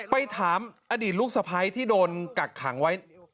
ไปถามอดีตลูกสะพ้ายที่โดนกักขังไว้